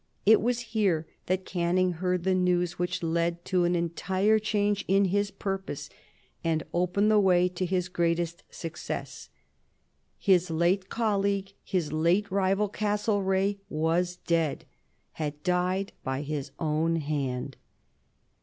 It was here that Canning heard the news which led to an entire change in his purpose, and opened the way to his greatest success. His late colleague, his late rival, Castlereagh, was dead had died by his own hand.